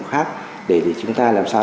khác để chúng ta làm sao